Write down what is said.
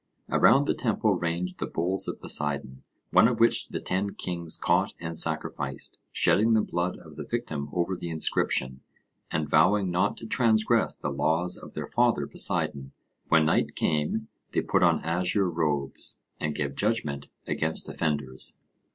Around the temple ranged the bulls of Poseidon, one of which the ten kings caught and sacrificed, shedding the blood of the victim over the inscription, and vowing not to transgress the laws of their father Poseidon. When night came, they put on azure robes and gave judgment against offenders.